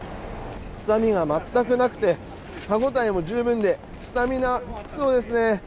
臭みが全くなくて歯応えも十分でスタミナがつきそうですね。